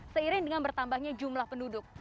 seiring dengan bertambahnya jumlah penduduk